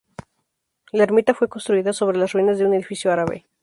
La Ermita fue construida sobre las ruinas de un edificio Árabe.